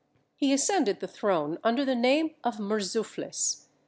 He ascended the throne under the name of Murzuphlis.